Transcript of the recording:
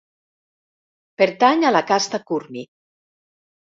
Pertany a la casta Kurmi.